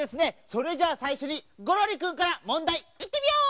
それじゃあさいしょにゴロリくんからもんだいいってみよう！